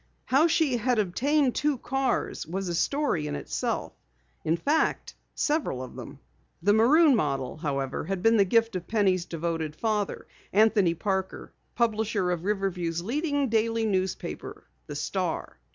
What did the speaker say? How she had obtained two cars was a story in itself in fact, several of them. The maroon model, however, had been the gift of Penny's devoted father, Anthony Parker, publisher of Riverview's leading daily newspaper, The Star.